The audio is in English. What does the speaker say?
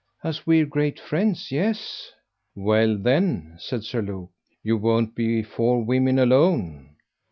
"As we're great friends yes." "Well then," said Sir Luke, "you won't be four women alone."